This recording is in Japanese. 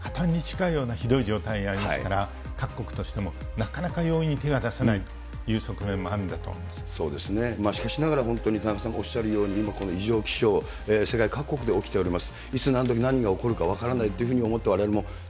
特にリビアは国家として破たんに近いようなひどい状態にありますから、各国としてもなかなか容易に手が出せないという側面もあるんだとそうですね、しかしながら、本当に田中さんおっしゃるように、今この異常気象、世界各国で起きております。